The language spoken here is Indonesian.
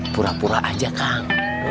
pura pura aja kang